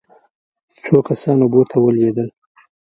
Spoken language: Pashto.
څو کسان اوبو ته ولوېدل.